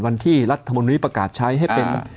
วันที่รัฐบรรณุนิประกาศใช้ให้เป็น